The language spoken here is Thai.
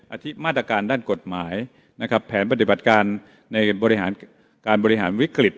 อาทิตย์มาตรการด้านกฎหมายนะครับแผนปฏิบัติการในบริหารการบริหารวิกฤต